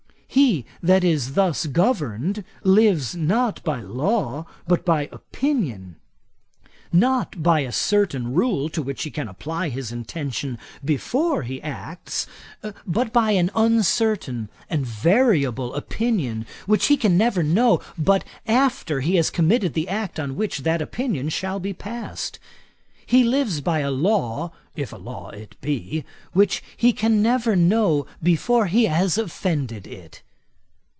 He that is thus governed, lives not by law, but by opinion: not by a certain rule to which he can apply his intention before he acts, but by an uncertain and variable opinion, which he can never know but after he has committed the act on which that opinion shall be passed. He lives by a law, (if a law it be,) which he can never know before he has offended it.